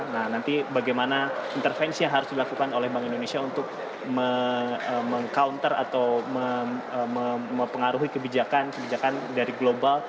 nah nanti bagaimana intervensi yang harus dilakukan oleh bank indonesia untuk meng counter atau mempengaruhi kebijakan kebijakan dari global